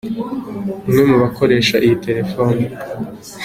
" Umwe mu bakoresha iyi terefone.